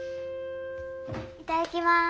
いただきます。